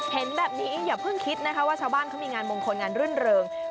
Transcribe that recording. เห็นแบบนี้อย่าเพิ่งคิดนะคะว่าชาวบ้านเขามีงานมงคลงานรื่นเริง